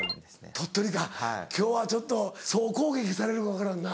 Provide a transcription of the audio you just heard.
鳥取か今日はちょっと総攻撃されるか分からんな。